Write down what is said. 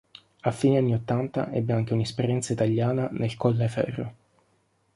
A fine anni ottanta ebbe anche un'esperienza italiana nel Colleferro.